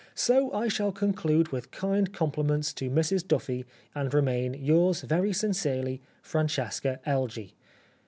So I shall conclude with kind compliments to Mrs Duffy^ and remain, yours very sincerely, " Francesca Elgee.